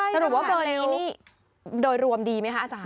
สรุปว่าเปิดในนี้โดยรวมดีมั้ยคะอาจารย์